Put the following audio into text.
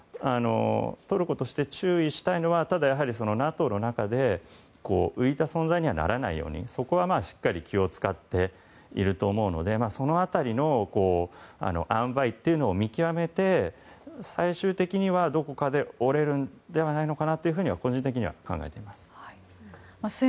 トルコとして注意したいのはＮＡＴＯの中で浮いた存在にはならないようにそこはしっかり気を使っていると思うのでその辺りの塩梅というのを見極めて最終的にはどこかで折れるのではないかと個人的には考えています。